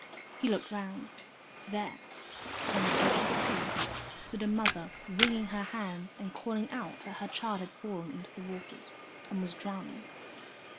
He looked round. There, on the edge of the quay, stood a mother wringing her hands and calling out that her child had fallen into the water and was drowning.